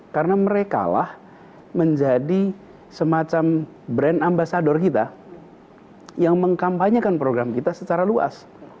karena mereka lah menjadi semacam brand ambasador kita yang mengkampanyekan program kita secara luas